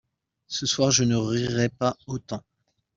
Ce soir je ne rirai pas autant.